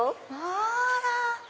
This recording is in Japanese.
あら！